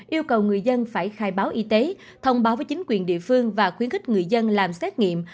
yêu cầu người dân phải khai báo y tế thông báo với chính quyền địa phương và khuyến khích người dân làm xét nghiệm